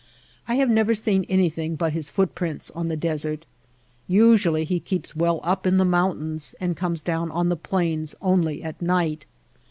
I have never seen anything but his footprints on the desert. Usually he keeps well up in the mountains and comes down on the plains only at night.